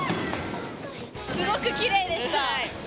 すごくきれいでした。